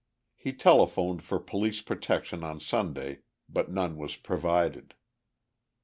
He telephoned for police protection on Sunday, but none was provided.